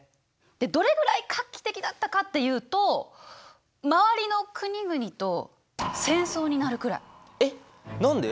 どれぐらい画期的だったかっていうと周りの国々とえっ何で？